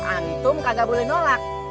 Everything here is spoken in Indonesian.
antum kagak boleh nolak